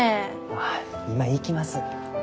あ今行きます。